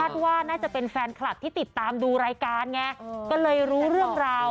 ว่าน่าจะเป็นแฟนคลับที่ติดตามดูรายการไงก็เลยรู้เรื่องราว